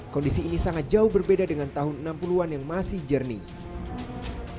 kondisi ini sangat jauh berbeda dengan tahun enam puluh an yang masih jernih